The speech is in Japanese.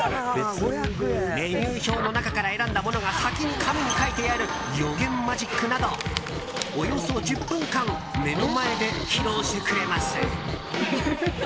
メニュー表の中から選んだものが先に紙に書いてある予言マジックなどおよそ１０分間目の前で披露してくれます。